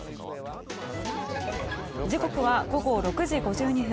時刻は午後６時５２分。